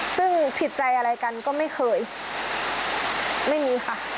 ซึ่งผิดใจอะไรกันก็ไม่เคยไม่มีค่ะ